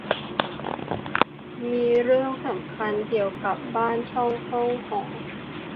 มีเรื่องสำคัญเกี่ยวกับบ้านช่องห้องหอ